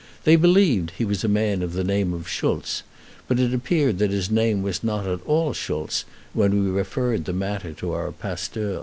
They believed he was a man of the name of Schultz; but it appeared that his name was not at all Schultz, when we referred the matter to our pasteur.